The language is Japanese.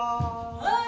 はい！